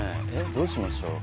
どうしましょう？